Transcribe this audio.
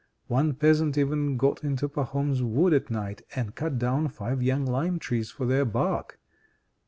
One peasant even got into Pahom's wood at night and cut down five young lime trees for their bark.